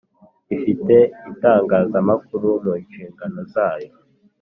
Ifite itangazamakuru mu nshingano zayo